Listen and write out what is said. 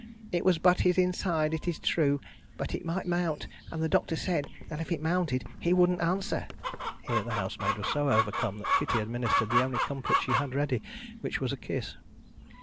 "It was but his inside, it is true, but it might mount, and the doctor said that if it mounted he wouldn't answer." Here the housemaid was so overcome that Kitty administered the only comfort she had ready: which was a kiss.